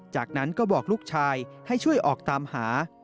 จากนั้นก็บอกลูกชายให้ช่วยออกตามหา